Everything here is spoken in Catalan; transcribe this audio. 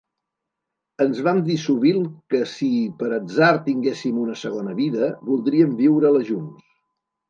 Ens vam dir sovint que si, per atzar tinguéssim una segona vida, voldríem viure-la junts.